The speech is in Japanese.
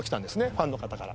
ファンの方から。